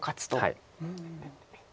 はい。